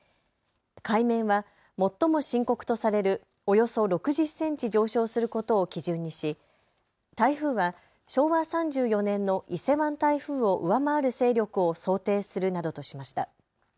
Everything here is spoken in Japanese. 海面は最も深刻とされるおよそ６０センチ上昇することを基準にし台風は昭和３４年の伊勢湾台風を上回る勢力を想定するなどとしました。